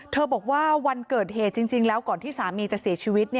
บอกว่าวันเกิดเหตุจริงแล้วก่อนที่สามีจะเสียชีวิต